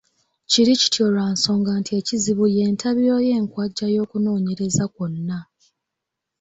Kiri kityo lwa nsonga nti ekizibu y’entabiro y’enkwajja y’okunoonyereza kwonna.